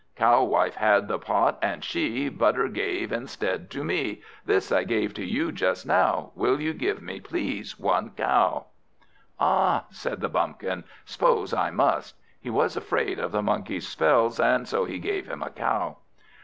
Cow wife had the pot, and she Butter gave instead to me. This I gave to you just now: Will you give me, please, one cow?" "Ah," said the Bumpkin, "'spose I must." He was afraid of the Monkey's spells, and so he gave him a cow.